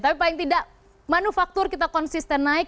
tapi paling tidak manufaktur kita konsisten naik